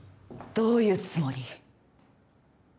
どういうつもり？